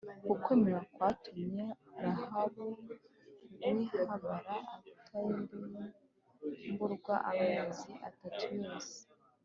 ukwemera kwatumye rahabu w’ihabara atarimburwa amezi atatu yose.